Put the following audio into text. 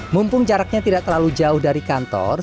mumpung jaraknya tidak terlalu jauh dari kantor